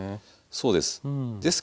そうです。